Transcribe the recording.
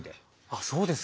あっそうですか。